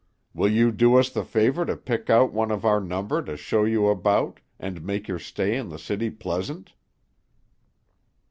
Will you do us the favor to pick out one of our number to show you about, and make your stay in the city pleasant?'"